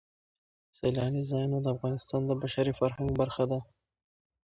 سیلانی ځایونه د افغانستان د بشري فرهنګ برخه ده.